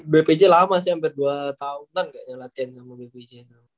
bpj lama sih hampir dua tahunan gaknya latihan sama bpj